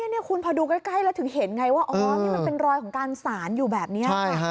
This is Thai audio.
นี่คุณพอดูใกล้แล้วถึงเห็นไงว่าอ๋อนี่มันเป็นรอยของการสารอยู่แบบนี้